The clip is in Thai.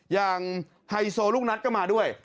อย่างไฮโซลูกนัทก็มาด้วย